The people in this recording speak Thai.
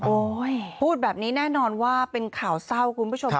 พูดแบบนี้แน่นอนว่าเป็นข่าวเศร้าคุณผู้ชม